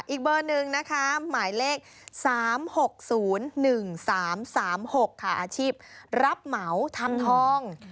อีกเบอร์หนึ่งนะคะหมายเลข๓๖๐๑๓๓๖ค่ะอาชีพรับเหมาทำทอง